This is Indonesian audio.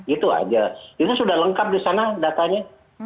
itu sudah lengkap di sana datanya